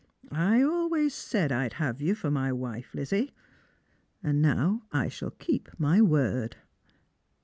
I always said I'd have you for my wife, Lizzie, and now I shall keep my word."